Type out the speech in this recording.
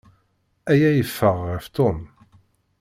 Aya yeffeɣ ɣef Tom.